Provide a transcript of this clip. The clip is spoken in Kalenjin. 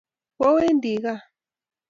kiowendii kaa .